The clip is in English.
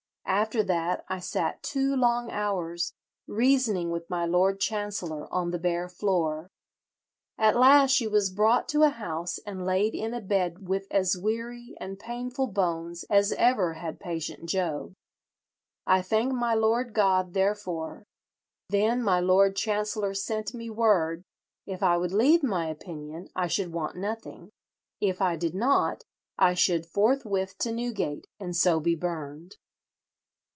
After that I sat two long hours, reasoning with my Lord Chancellor, on the bare floor." At last she was "brought to a house and laid in a bed with as weary and painful bones as ever had patient Job; I thank my Lord God therefor. Then my Lord Chancellor sent me word, if I would leave my opinion, I should want nothing; if I did not, I should forthwith to Newgate, and so be burned.